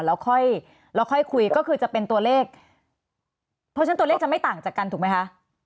แล้วค่อยแล้วค่อยคุยก็คือจะเป็นตัวเลขเพราะฉะนั้นตัวเลขจะไม่ต่างจากกันถูกไหมคะ